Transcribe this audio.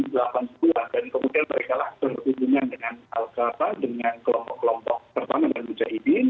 dan kemudian mereka lah berhubungan dengan al qaeda dengan kelompok kelompok pertama dengan mujahidin